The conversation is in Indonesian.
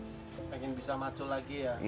pengen bisa maju lagi ya